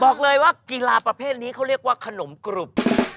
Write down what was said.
บอกเลยว่ากีฬาประเภทนี้เขาเรียกว่าขนมกรุบ